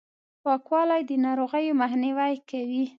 پاکوالي، د ناروغیو مخنیوی کوي!